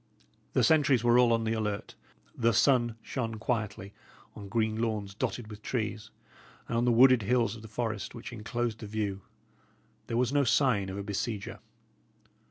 The sentries were all on the alert. The sun shone quietly on green lawns dotted with trees, and on the wooded hills of the forest which enclosed the view. There was no sign of a besieger.